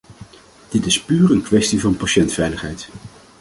Dit is puur een kwestie van patiëntenveiligheid.